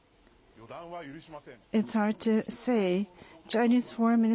予断は許しません。